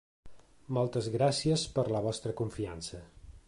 Moltes gràcies per la vostra confiança.